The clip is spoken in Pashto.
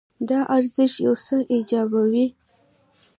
دا ارزښت یو څه ایجابوي.